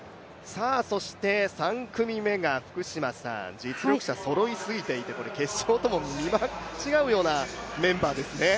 そして３組目が実力者そろいすぎていて、決勝とも見間違うような組ですね。